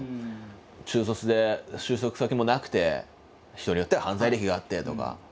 中卒で就職先もなくて人によっては犯罪歴があってとか。